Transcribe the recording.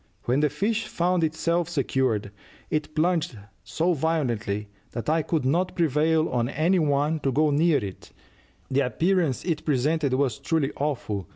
When the fish found itself secured, it plunged so violently that I could not prevail on any one to go near it: the appearance it presented was truly awful.